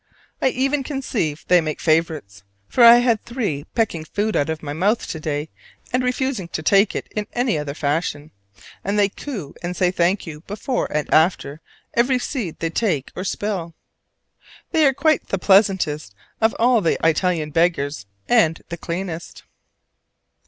I even conceive they make favorites, for I had three pecking food out of my mouth to day and refusing to take it in any other fashion, and they coo and say thank you before and after every seed they take or spill. They are quite the pleasantest of all the Italian beggars and the cleanest.